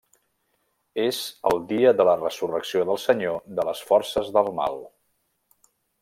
És el dia de la resurrecció del senyor de les forces del mal.